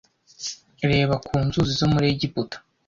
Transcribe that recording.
Reba ku nzuzi zo muri Egiputa